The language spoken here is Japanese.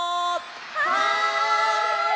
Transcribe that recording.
はい！